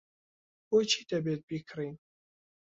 بۆچی دەبێت بیکڕین؟